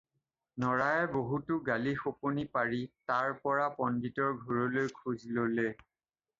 নৰায়ে বহুতো গালি-শপনি পাৰি তাৰ পৰা পণ্ডিতৰ ঘৰলৈ খোজ ল'লে।